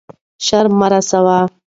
شر مه رسوئ.